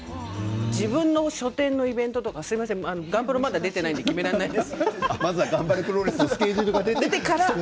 自分の書店のイベントとかまだガンプロが出ていないのでまだ決められないですと。